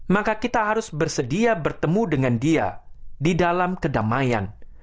maka kita harus bersedia bertemu dengan dia di dalam kedamaian